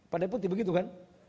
pak deputi begitu kan